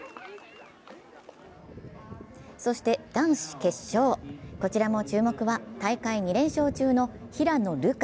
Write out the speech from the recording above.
そして男子決勝、こちらも注目は大会２連勝中の平野流佳。